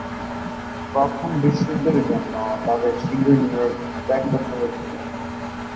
প্রথম বিশ্বযুদ্ধের জন্য তাঁদের শীঘ্রই নিউ ইয়র্ক ত্যাগ করতে হয়েছিল।